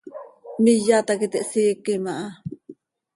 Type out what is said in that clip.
Miyat hac iti hsiiquim aha.